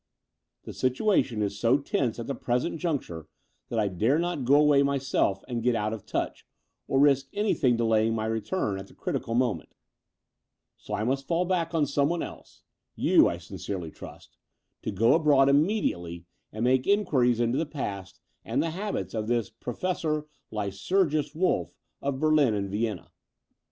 The situation is so tense at the present juncture that I dare not go away myself and get out of touch, or risk anything delaying my return at the critical moment: so I 8 114 Th^ Door of the Unreal mtist fall back on someone else — you, I sincerely trust — to go abroad immediately and make in quiries into the past and the habits of this Professor Lycurgus Wolff of Berlin and Vienna.